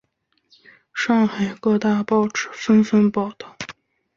上海各大报纸纷纷报道。